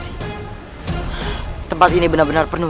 tidak ada yang bisa kita cari